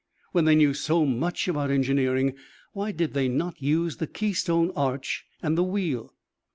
When they knew so much about engineering, why did they not use the keystone arch and the wheel?